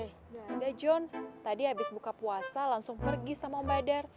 engga jon tadi abis buka puasa langsung pergi sama om badar